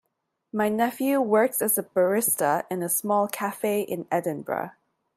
My nephew works as a barista in a small cafe in Edinburgh.